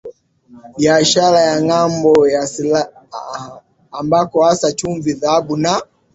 biashara ya ngambo ya Sahara ambako hasa chumvi dhahabu na